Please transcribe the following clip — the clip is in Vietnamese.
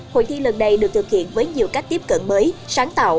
hội thi lần này được thực hiện với nhiều cách tiếp cận mới sáng tạo